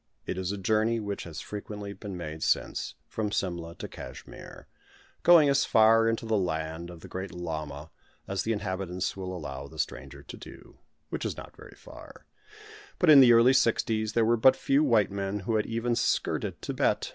It is a journey which has frequently been made since, from Simla to Cashmere, going as far into the land of the Great Llama as the inhabitants will allow the stranger to do which is not very far; but, in the early sixties there were but few white men who had even skirted Thibet.